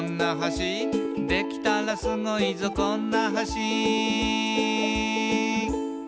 「できたらスゴいぞこんな橋」